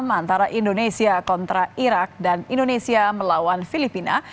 antara indonesia kontra irak dan indonesia melawan filipina